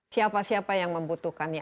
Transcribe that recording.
siapa siapa yang membutuhkannya